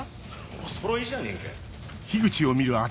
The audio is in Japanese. おそろいじゃねえかよ。